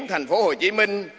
thành phố hồ chí minh